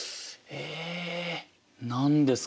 え何ですか？